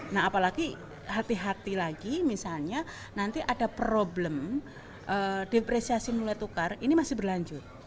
nah apalagi hati hati lagi misalnya nanti ada problem depresiasi nilai tukar ini masih berlanjut